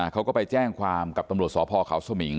เขาก็ไปแจ้งความกับตำรวจสพเขาสมิง